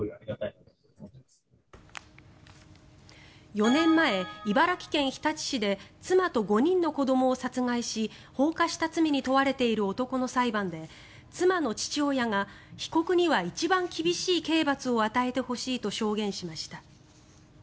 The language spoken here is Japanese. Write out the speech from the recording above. ４年前、茨城県日立市で妻と５人の子どもを殺害し放火した罪に問われている男の裁判で妻の父親が、被告には一番厳しい刑罰を与えてほしいと証言しました。